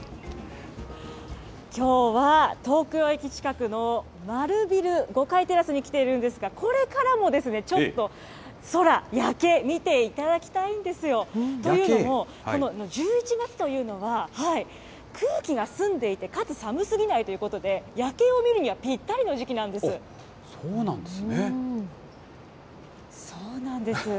きょうは、東京駅近くの丸ビル５階テラスに来ているんですが、これからもちょっと空、夜景、見ていただきたいんですよ。というのも、この１１月というのは、空気が澄んでいて、かつ寒すぎないということで、夜景を見るにはぴったりの時期なんそうなんですね。